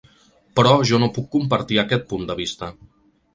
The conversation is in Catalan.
Però jo no puc compartir aquest punt de vista.